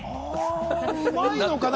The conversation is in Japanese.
うまいのかな？